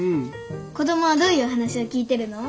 子供はどういうお話を聞いてるの？